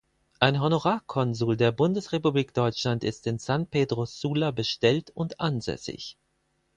Ein Honorarkonsul der Bundesrepublik Deutschland ist in San Pedro Sula bestellt und ansässig.